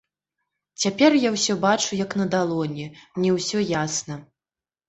Цяпер я ўсё бачу як на далоні, мне ўсё ясна.